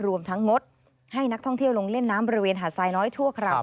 รวมทั้งงดให้นักท่องเที่ยวลงเล่นน้ำบริเวณหาดทรายน้อยชั่วคราว